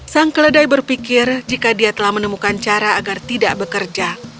sang keledai berpikir jika dia telah menemukan cara agar tidak bekerja